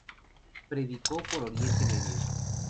Predicó por Oriente Medio.